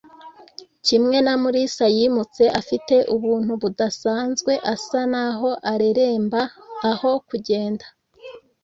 Kimwe na Mulisa, yimutse afite ubuntu budasanzwe, asa naho areremba aho kugenda.